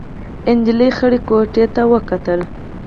نجلۍ خړې کوټې ته وکتل.